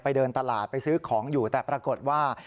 เดินตลาดไปซื้อของอยู่แต่ปรากฏว่า